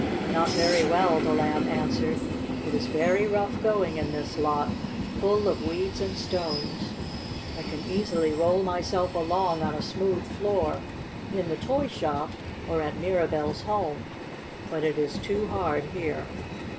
"Not very well," the Lamb answered. "It is very rough going in this lot, full of weeds and stones. I can easily roll myself along on a smooth floor, in the toy shop or at Mirabell's home. But it is too hard here."